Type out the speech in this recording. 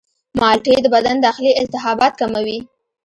مالټې د بدن داخلي التهابات کموي.